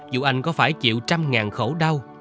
dù anh có phải chịu trăm ngàn khổ đau